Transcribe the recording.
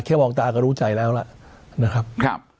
มองตาก็รู้ใจแล้วล่ะนะครับ